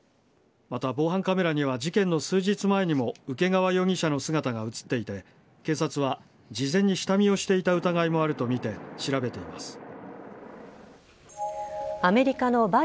また防犯カメラには事件の数日前にも請川容疑者らの姿が映っていて警察は事前に下見をしていた疑いもあるとみて調べています。